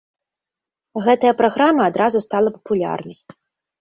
Гэтая праграма адразу стала папулярнай.